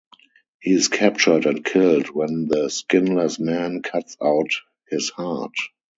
He is captured and killed when the Skinless Man cuts out his heart.